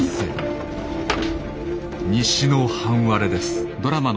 西の半割れです。